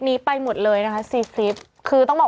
นี่นุ่ม